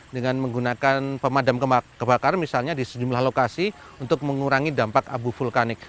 dengan menggunakan pemadam kebakaran misalnya di sejumlah lokasi untuk mengurangi dampak abu vulkanik